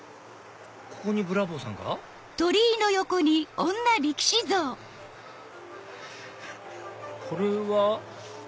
ここにブラ坊さんが？これは？